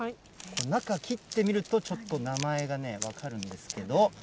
中、切ってみると、ちょっと名前がね、分かるんですけれども。